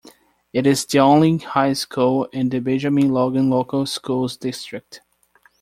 It is the only high school in the Benjamin Logan Local Schools district.